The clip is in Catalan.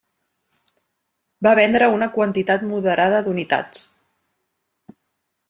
Va vendre una quantitat moderada d'unitats.